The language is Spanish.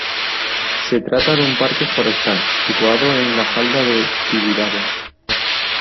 Se trata de un parque forestal, situado en la falda del Tibidabo.